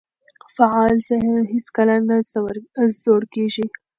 فعال ذهن هیڅکله نه زوړ کیږي.